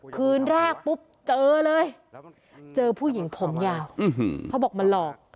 คืนแรกปุ๊บเจอเลยเจอผู้หญิงผมยาวเขาบอกมันหลอก